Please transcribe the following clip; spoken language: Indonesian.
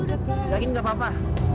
jadi ini gak apa apa